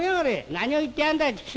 「何を言ってやがんだい畜生。